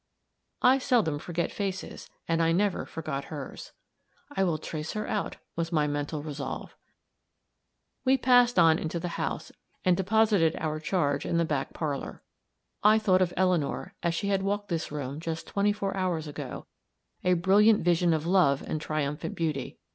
I seldom forget faces; and I never forgot hers. "I will trace her out," was my mental resolve. We passed on into the house, and deposited our charge in the back parlor. I thought of Eleanor, as she had walked this room just twenty four hours ago, a brilliant vision of love and triumphant beauty.